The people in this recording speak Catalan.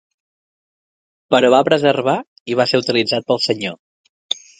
Però va perseverar i va ser utilitzat pel Senyor.